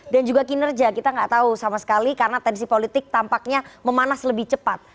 dan juga kinerja kita gak tahu sama sekali karena tensi politik tampaknya memanas lebih cepat